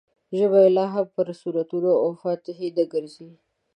ژبه یې لا هم پر سورتونو او فاتحې نه ګرځي.